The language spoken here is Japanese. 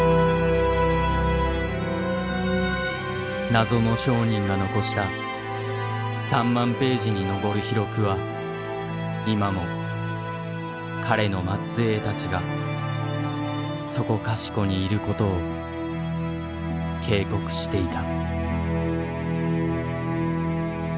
謎の商人が残した３万ページに上る秘録は今も彼の末裔たちがそこかしこにいることを警告していた。